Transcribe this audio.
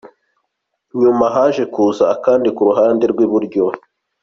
Nyuma, haje kuza akandi ku ruhande rw’iburyo.